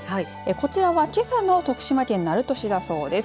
こちらは、けさの徳島県鳴門市だそうです。